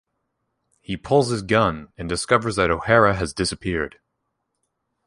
He pulls his gun, and discovers that O'Hara has disappeared.